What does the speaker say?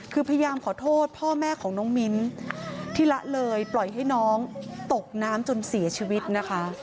คือพยายามขอโทษพ่อแม่ของน้องมิ้นที่ละเลยปล่อยให้น้องตกน้ำจนเสียชีวิตนะคะ